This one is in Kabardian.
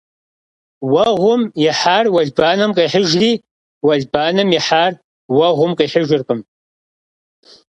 Vueğum yihar vuelbanem khêhıjjri, vuelbanem yihar vueğum khihıjjırkhım.